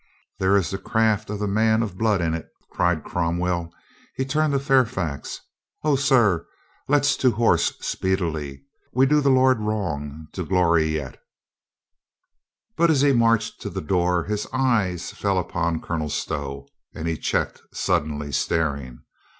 "There is the craft of the man of blood in it," cried Cromwell. He turned to Fairfax. "O, slr> 378 COLONEL GREATHEART let's to horse speedily. We do the Lord wrong to glory yet!" But as he marched to the door his eyes fell upon Colonel Stow and he checked suddenly, staring.